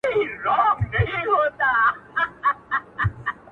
هــغــه اوس كـــډه وړي كابــل تــه ځــــــي ـ